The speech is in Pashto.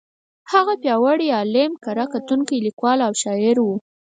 هغه پیاوړی عالم، کره کتونکی، لیکوال او شاعر و.